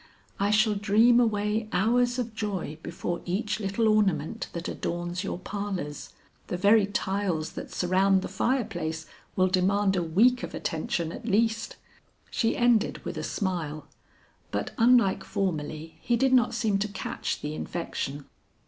I shall dream away hours of joy before each little ornament that adorns your parlors. The very tiles that surround the fireplace will demand a week of attention at least." She ended with a smile, but unlike formerly he did not seem to catch the infection.